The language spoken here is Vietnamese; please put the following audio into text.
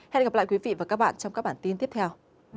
hẹn gặp lại quý vị và các bạn trong các bản tin tiếp theo